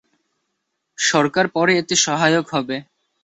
সরকার পরে এতে সহায়ক হবে।